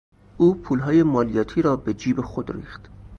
او پولهای مالیاتی را به جیب خود ریخت.